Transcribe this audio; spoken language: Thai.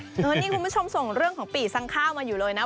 นี่คุณผู้ชมส่งเรื่องของปีสั่งข้าวมาอยู่เลยนะ